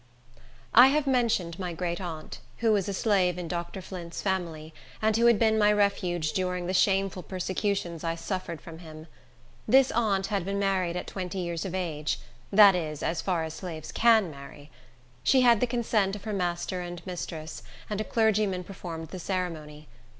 I have mentioned my greataunt, who was a slave in Dr. Flint's family, and who had been my refuge during the shameful persecutions I suffered from him. This aunt had been married at twenty years of age; that is, as far as slaves can marry. She had the consent of her master and mistress, and a clergyman performed the ceremony.